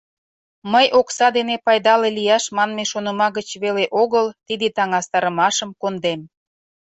Мый окса дене пайдале лияш манме шоныма гыч веле огыл тиде таҥастарымашым кондем.